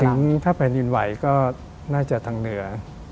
ถ้าแผ่นดินไหวก็น่าจะทางเหนือ